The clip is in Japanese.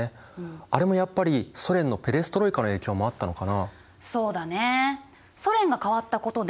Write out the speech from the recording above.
あれもやっぱりソ連のペレストロイカの影響もあったのかな？